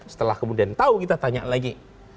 setelah kemudian tahu kita tanya lagi